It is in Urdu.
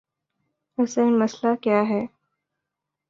اصل مسئلہ کیا ہے؟